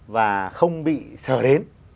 và không bị sợ đến